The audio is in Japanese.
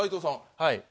はい。